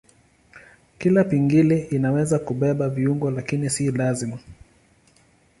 Kila pingili inaweza kubeba viungo lakini si lazima.